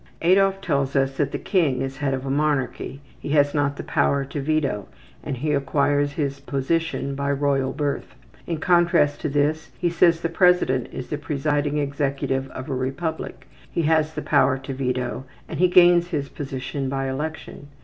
'' Adolf tells us that the king is head of a monarchy, he has not the power to veto, and he acquires his position by royal birth. In contrast to this he says the president is the presiding executive of a republic, he has the power to veto, and he gains his position by election.